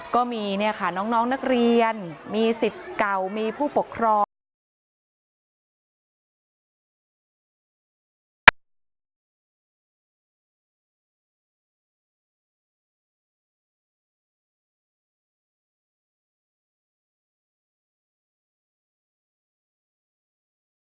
ก็มีเนี่ยค่ะน้องนักเรียนมีสิทธิ์เก่ามีผู้ปกครอง